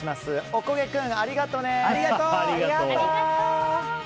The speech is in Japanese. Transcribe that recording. おこげ君、ありがとうね！